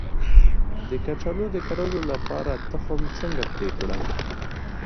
د کچالو د کرلو لپاره تخم څنګه پرې کړم؟